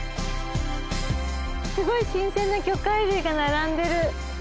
すごい新鮮な魚介類が並んでる。